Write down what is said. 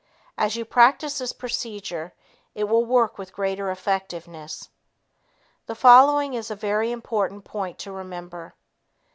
As you practice this procedure, it will work with greater effectiveness. The following is a very important point to remember.